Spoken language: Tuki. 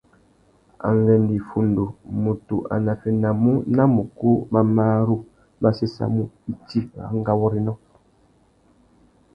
Angüêndô iffundu, mutu a naffénamú nà mukú mà marru má séssamú itsi râ ngawôrénô.